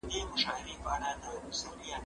کتابونه د زده کوونکي له خوا ليکل کيږي